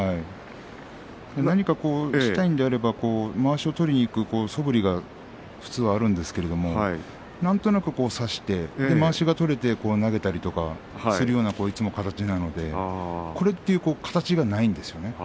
何かしたいんであればまわしを取りにくそぶりが普通はあるんですがなんとなく差してまわしが取れて投げたりするような形なのでこれといった形がないんですね。